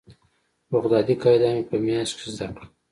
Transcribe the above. بغدادي قاعده مې په مياشت کښې زده کړه.